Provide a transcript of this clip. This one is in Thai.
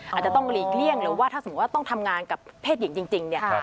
อาจจะต้องหลีกเลี่ยงเลยว่าถ้าสมมุติว่าต้องทำงานกับเพศหญิงจริงเนี่ย